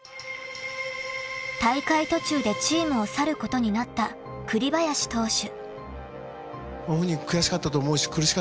［大会途中でチームを去ることになった栗林投手］